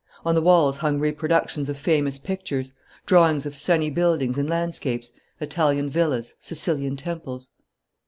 On the walls hung reproductions of famous pictures, drawings of sunny buildings and landscapes, Italian villas, Sicilian temples....